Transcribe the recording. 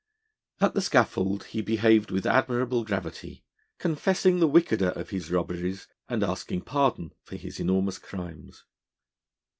At the scaffold he behaved with admirable gravity: confessing the wickeder of his robberies, and asking pardon for his enormous crimes.